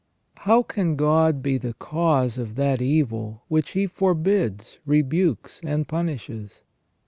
How can God be the cause of that evil which He forbids, rebukes, and punishes